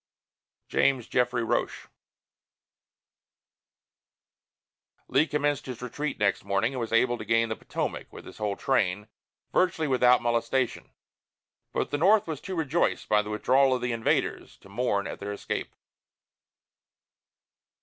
JAMES JEFFREY ROCHE. Lee commenced his retreat next morning, and was able to gain the Potomac, with his whole train, virtually without molestation. But the North was too rejoiced by the withdrawal of the invaders to mourn at their escape.